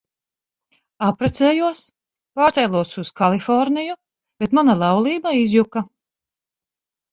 Apprecējos, pārcēlos uz Kaliforniju, bet mana laulība izjuka.